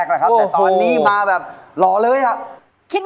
รถนี้มาแบบหล่อเลยครับ